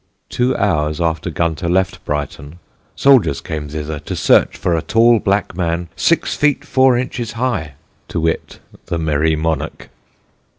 Two hours after Gunter left Brighton, "soldiers came thither to search for a tall black man, six feet four inches high" to wit, the Merry Monarch.